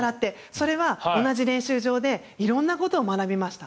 それは同じ練習場で色んなことを学びました。